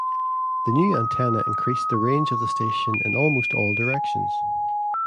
The new antenna increased the range of the station in almost all directions.